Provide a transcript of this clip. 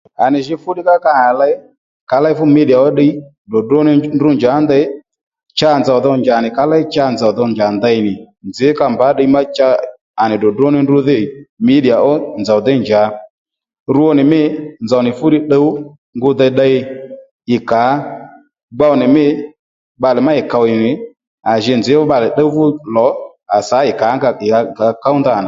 À nì jǐ fúddiy ká ka nì ley ka léy fú mídìyà ó ddiy dròdró ní ndrǔ njǎ ndey cha nzòw dho njànì ka ley cha nzòw dho njǎ ndey nì nzǐ ka mbǎ ddiy má cha à nì dròdró ní ndrǔ dhî mǐdìyà ó nzòw déy njǎ rwo nì mî nzòw nì fú ddiy tdúw ngu dey tdey ì kǎ gbow nì mî bbalè má ì kòw ì nì à ji nzǐ fú bbalè tdúw fú lò à sǎ ì kǎ nga ì dhá ków ndanà